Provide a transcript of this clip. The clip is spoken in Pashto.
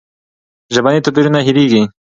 ژبني توپیرونه هېرېږي.